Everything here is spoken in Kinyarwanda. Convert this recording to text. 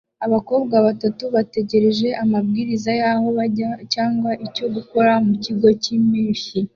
Abakobwa bato bategereje amabwiriza yaho bajya cyangwa icyo gukora mukigo cyimpeshyi